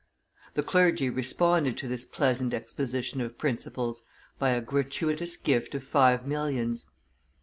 The clergy responded to this pleasant exposition of principles by a gratuitous gift of five millions.